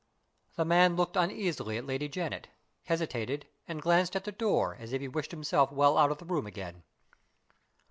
The man looked uneasily at Lady Janet, hesitated, and glanced at the door, as if he wished himself well out of the room again.